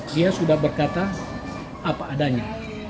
dia sudah berkata apa adanya